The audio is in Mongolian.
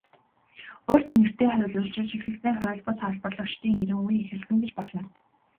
"Урт нэртэй хууль" үйлчилж эхэлснээр хууль бус олборлогчдын эрин үе эхэлсэн гэж болно.